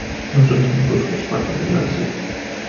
Nu suntem puși cu spatele la zid.